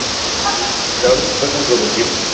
La orden fue controvertida.